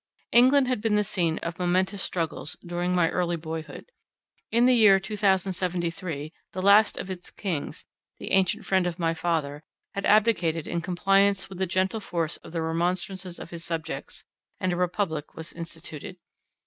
England had been the scene of momentous struggles, during my early boyhood. In the year 2073, the last of its kings, the ancient friend of my father, had abdicated in compliance with the gentle force of the remonstrances of his subjects, and a republic was instituted.